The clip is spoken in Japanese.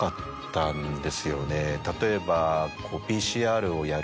例えば。